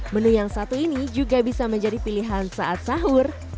menu yang satu ini juga bisa menjadi pilihan saat sahur